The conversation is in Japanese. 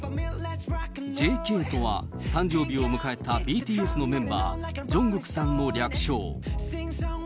ＪＫとは誕生日を迎えたＢＴＳのメンバー、ジョングクさんの略称。